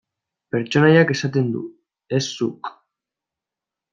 Pertsonaiak esaten du, ez zuk.